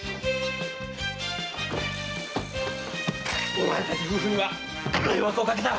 おまえたち夫婦には迷惑をかけた！